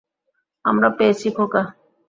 আমরা পেরেছি, খোকা।